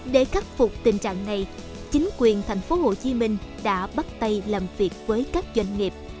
để khắc phục tình trạng này chính quyền tp hcm đã bắt tay làm việc với các doanh nghiệp